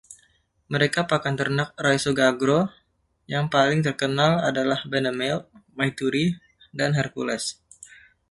Merek pakan ternak Raisioagro yang paling terkenal adalah Benemilk, Maituri dan Hercules